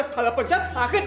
kalau pencet sakit lho